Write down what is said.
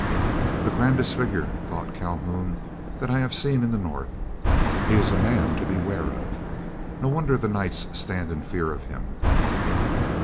"The grandest figure," thought Calhoun, "that I have seen in the North. He is a man to beware of. No wonder the Knights stand in fear of him."